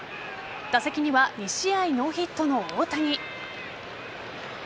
打席には２試合ノーヒットの大谷。